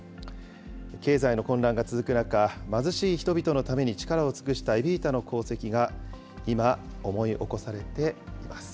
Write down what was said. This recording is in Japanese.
経済の混乱が続く中、貧しい人々のために力を尽くしたエビータの功績が今、思い起こされています。